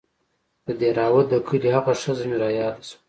د دهروات د کلي هغه ښځه مې راياده سوه.